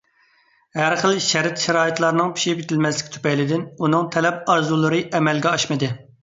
ھەر خىل شەرت-شارائىتلارنىڭ پىشىپ يېتىلمەسلىكى تۈپەيلىدىن ئۇنىڭ تەلەپ-ئارزۇلىرى ئەمەلگە ئاشمىدى.